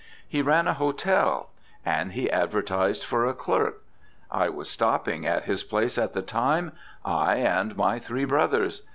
He ran a hotel, and he advertised for a clerk. I was stopping at his place at the time, I and my three brothers.